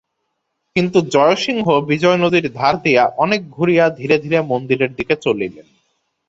কিন্তু জয়সিংহ বিজন নদীর ধার দিয়া অনেক ঘুরিয়া ধীরে ধীরে মন্দিরের দিকে চলিলেন।